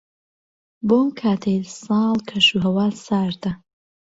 بۆ ئەم کاتەی ساڵ، کەشوهەوا ساردە.